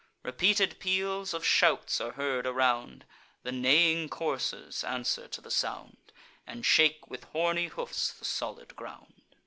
Repeated peals of shouts are heard around; The neighing coursers answer to the sound, And shake with horny hoofs the solid ground.